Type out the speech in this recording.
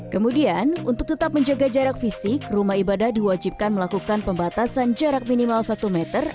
kemudian untuk tetap menjaga jarak fisik rumah ibadah diwajibkan melakukan pembatasan jarak minimal satu meter